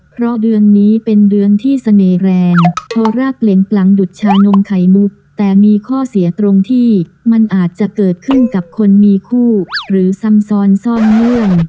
เพราะเดือนนี้เป็นเดือนที่เสน่ห์แรงเพราะรากเล็งปลังดุดชานมไข่มุกแต่มีข้อเสียตรงที่มันอาจจะเกิดขึ้นกับคนมีคู่หรือซ้ำซ้อนซ่อนเงื่อง